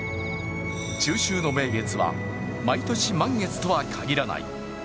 中秋の名月は毎年満月とは限らない。